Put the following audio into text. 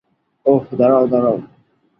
ওহ, দাঁড়াও, দাঁড়াও।